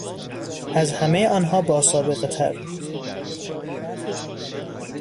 از همهی آنها با سابقهتر